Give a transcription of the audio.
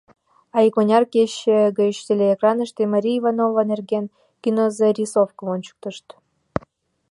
А икмыняр кече гыч телеэкраныште Мария Ивановна нерген кинозарисовкым ончыктышт.